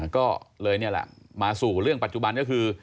ก็เลยนี่แหละมาสู่เรื่องปัจจุบันก็คือ